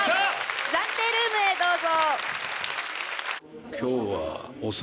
暫定ルームへどうぞ。